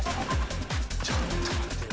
ちょっと待てよ。